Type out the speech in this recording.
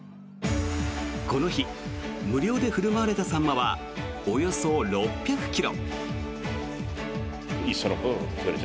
この日無料で振る舞われたサンマはおよそ６００ｋｇ。